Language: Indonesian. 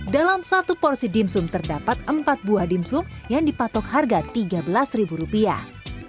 dalam satu porsi dimsum terdapat empat buah dimsum yang dipatok harga tiga belas ribu rupiah